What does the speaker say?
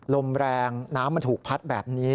ลมแรงน้ำมันถูกพัดแบบนี้